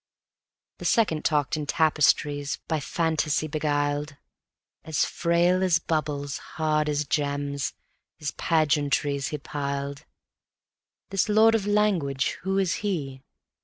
The second talked in tapestries, by fantasy beguiled; As frail as bubbles, hard as gems, his pageantries he piled; "This Lord of Language, who is he?"